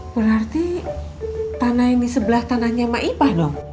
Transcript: berarti tanah ini sebelah tanahnya ma ipah dong